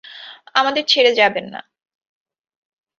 আমাদের ছেড়ে যাবেন না।